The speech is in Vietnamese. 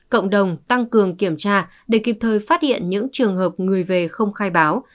cộng đồng tăng cường kiểm tra để kịp thời phát hiện những trường hợp người về không khai báo